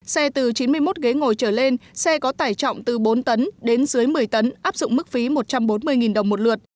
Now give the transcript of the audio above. xe từ chín mươi một ghế ngồi trở lên xe có tải trọng từ bốn tấn đến dưới một mươi tấn áp dụng mức phí một trăm bốn mươi đồng một lượt